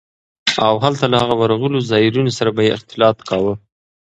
او هلته له ورغلو زايرينو سره به يې اختلاط کاوه.